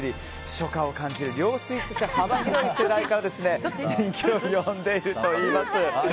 初夏を感じる涼スイーツとして幅広い世代から人気を呼んでいるといいます。